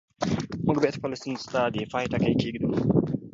موږ باید خپلو ستونزو ته د پای ټکی کېږدو.